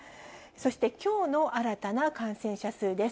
そしてきょうの新たな感染者数です。